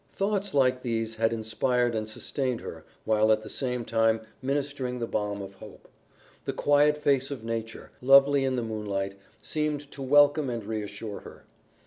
Thoughts like these had inspired and sustained her while at the same time ministering the balm of hope. The quiet face of nature, lovely in the moonlight, seemed to welcome and reassure her.